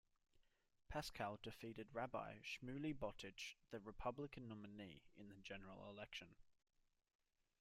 Pascrell defeated Rabbi Shmuley Boteach, the Republican nominee, in the general election.